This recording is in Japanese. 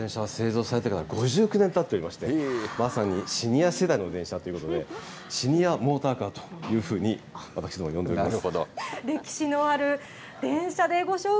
この電車は製造されてから５９年たっておりまして、まさにシニア世代の電車ということで、シニアモーターカーというふうに私ども、呼んでおります。